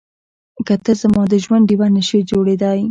که ته زما د ژوند ډيوه نه شې جوړېدای.